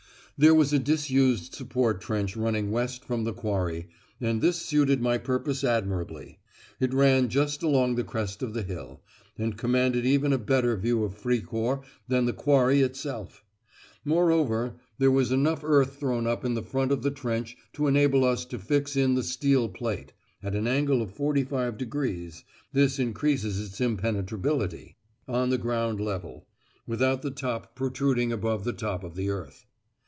There was a disused support trench running west from the Quarry, and this suited my purpose admirably. It ran just along the crest of the hill, and commanded even a better view of Fricourt than the Quarry itself. Moreover, there was enough earth thrown up in front of the trench to enable us to fix in the steel plate (at an angle of 45°: this increases its impenetrability) on ground level, without the top protruding above the top of the earth.